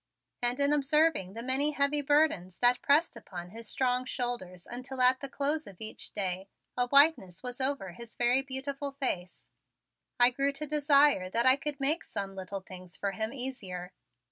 And in observing the many heavy burdens that pressed upon his strong shoulders until at the close of each day a whiteness was over his very beautiful face, I grew to desire that I could make some little things for him easier.